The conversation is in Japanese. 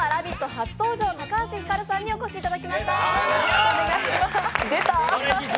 初登場高橋ひかるさんにお越しいただきました。